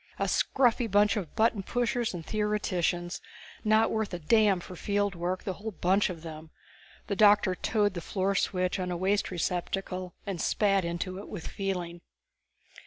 "A scruffy bunch of button pushers and theoreticians. Not worth a damn for field work, the whole bunch of them!" The doctor toed the floor switch on a waste receptacle and spat into it with feeling.